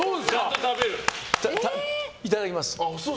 いただきます。